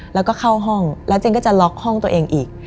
แล้วก็เข้าห้องแล้วเจนก็จะล็อกห้องตัวเองอีก